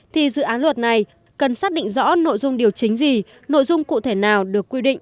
thì dự án luật này cần xác định rõ nội dung điều chính gì nội dung cụ thể nào được quy định